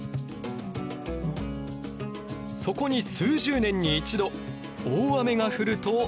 そこに数十年に一度大雨が降ると。